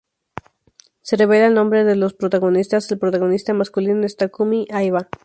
Se revela el nombre de los protagonistas, el protagonista masculino es: Takumi Aiba.